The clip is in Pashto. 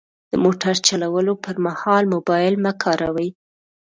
د موټر چلولو پر مهال موبایل مه کاروئ.